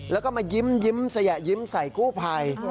แล้วก็มายิ้มสยะยิ้มใส่กู้ภัย